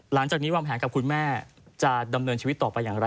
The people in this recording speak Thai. หลังจากนี้วางแผนกับคุณแม่จะดำเนินชีวิตต่อไปอย่างไร